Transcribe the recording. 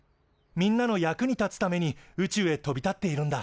みんなの役に立つために宇宙へ飛び立っているんだ。